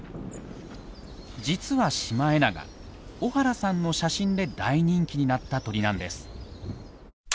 実はシマエナガ小原さんの写真で大人気になった鳥なんです。